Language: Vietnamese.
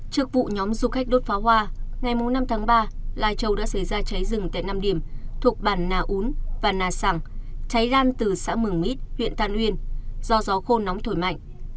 trước vụ nhóm du khách đốt phá hoa ngày bốn năm ba lai châu đã xảy ra cháy rừng tại năm điểm thuộc bản nà ún và nà sẳng cháy ran từ xã mừng mỹ huyện tàn uyên do gió khô nóng thổi mạnh